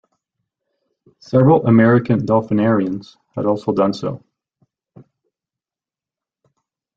Several American dolphinariums had also done so.